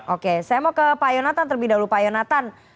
oke saya mau ke pak yonatan terlebih dahulu pak yonatan